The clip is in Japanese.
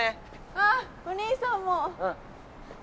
あぁお兄さんも！